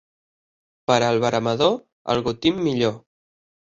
Per al veremador, el gotim millor.